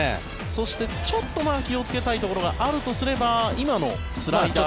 そしてちょっと気をつけたいところがあるとすれば今のスライダー。